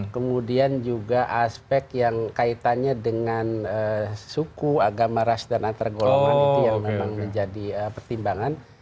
kemudian juga aspek yang kaitannya dengan suku agama ras dan antargolongan itu yang memang menjadi pertimbangan